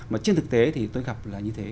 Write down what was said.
mà trên thực tế thì tôi gặp là như thế